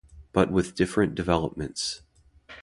But with different developments.